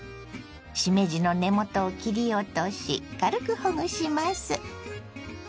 しめじの根元を切り落とし軽くほぐします。